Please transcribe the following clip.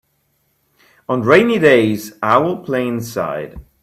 On rainy days I will play inside.